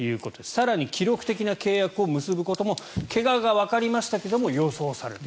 更に記録的な契約を結ぶことも怪我がわかりましたけれど予想されると。